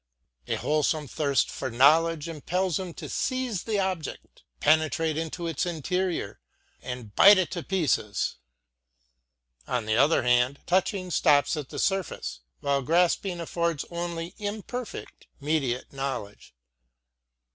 A wholesome thirst for knowledge impels him to seize the object, penetrate into its interior and bite it to pieces. On the other hand, touching stops at the surface, while grasping affords only imperfect, mediate knowledge.